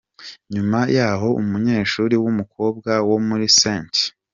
Nyuma y’aho umunyeshuri w’umukobwa wo muri St.